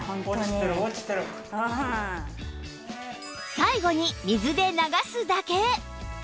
最後に水で流すだけ